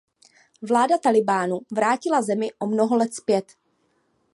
Vláda Talibánu vrátila zemi o mnoho let zpět.